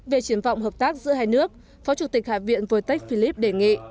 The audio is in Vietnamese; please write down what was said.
về chiến vọng hợp tác giữa hai nước phó chủ tịch hạ viện voi tách philip đề nghị